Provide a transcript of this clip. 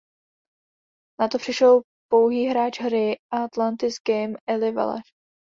Na to přišel „pouhý hráč hry Atlantis Game“ Eli Wallace.